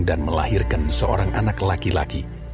dan melahirkan seorang anak laki laki